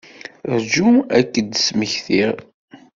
Rju ad k-d-smektiɣ.